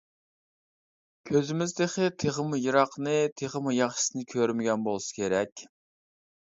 كۆزىمىز تېخى تېخىمۇ يىراقنى، تېخىمۇ ياخشىسىنى كۆرمىگەن بولسا كېرەك.